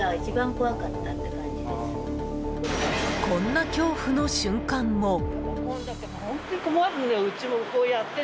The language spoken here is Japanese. こんな恐怖の瞬間も。